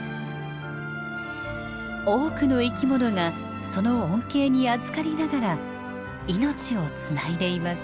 多くの生き物がその恩恵にあずかりながら命をつないでいます。